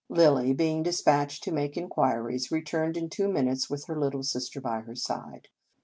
Lilly, being despatched to make in quiries, returned in two minutes with her little sister by her side.